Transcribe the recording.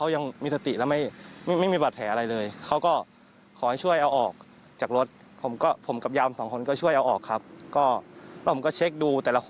ยังไม่รู้ครับยังไม่รู้